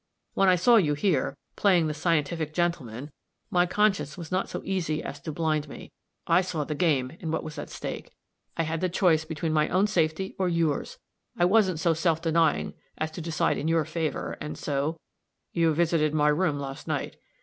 When I saw you here, playing the scientific gentleman, my conscience was not so easy as to blind me. I saw the game, and what was at stake. I had the choice between my own safety or yours. I wasn't so self denying as to decide in your favor, and so " "You visited my room last night."